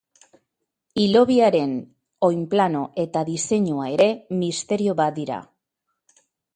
Hilobiaren oinplano eta diseinua ere, misterio bat dira.